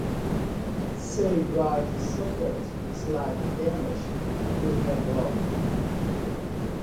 "Sei Bright" suffered slight damaged to her bow.